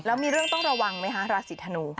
แล้วมีเรื่องต้องระวังไหมคะราศีธนู